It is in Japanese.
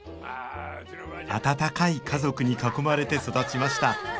温かい家族に囲まれて育ちました